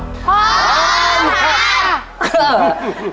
พร้อมค่ะ